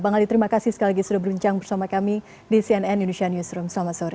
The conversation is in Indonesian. bang ali terima kasih sekali lagi sudah berbincang bersama kami di cnn indonesia newsroom selamat sore